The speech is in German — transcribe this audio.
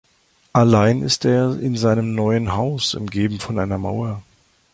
Allein ist er in seinem neuen Haus, umgeben von einer Mauer.